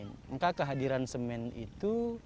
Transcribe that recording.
maka kehadiran semen itu